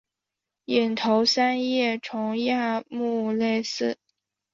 隐头三叶虫亚目类似。